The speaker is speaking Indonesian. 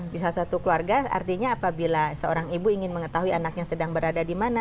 bisa satu keluarga artinya apabila seorang ibu ingin mengetahui anaknya sedang berada di mana